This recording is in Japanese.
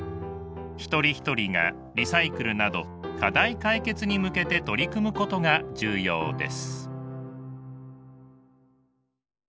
一人一人がリサイクルなど課題解決に向けて取り組むことが重要です。